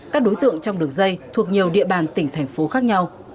các đối tượng trong đường dây thuộc nhiều địa bàn tỉnh thành phố khác nhau